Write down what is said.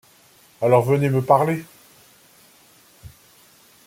Alors venez me parler.